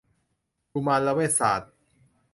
กุมารเวชศาสตร์